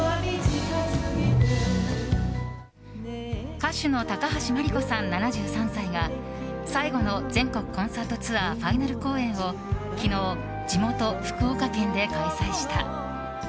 歌手の高橋真梨子さん、７３歳が最後の全国コンサートツアーファイナル公演を昨日、地元・福岡県で開催した。